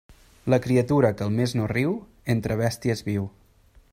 La criatura que al mes no riu, entre bèsties viu.